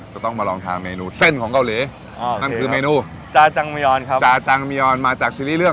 ก็ต้องมาลองทางเมนูเส้นของเกาหลี